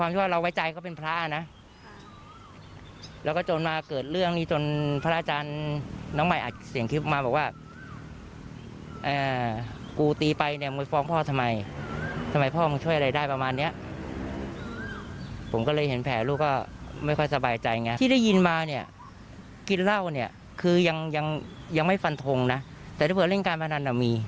แต่ถ้าเผื่อเล่นการพนันมี